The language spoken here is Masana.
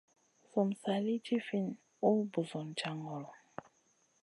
Sum sa lì ɗifinʼ ùh busun jaŋ ŋolo.